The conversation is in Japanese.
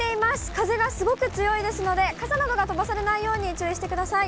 風がすごく強いですので、傘などが飛ばされないように注意してください。